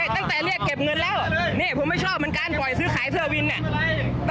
ก็นี่ล่ะมึงจะทำไงล่ะ